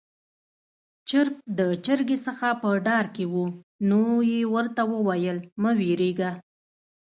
چرګ د چرګې څخه په ډار کې وو، نو يې ورته وويل: 'مه وېرېږه'.